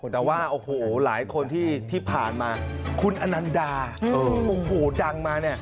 แต่ว่าโอ้โหหลายคนที่ผ่านมาคุณอนันดาโอ้โหดังมาเนี่ย